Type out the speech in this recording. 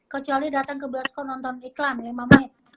kecuali datang ke bioskop nonton iklan lima menit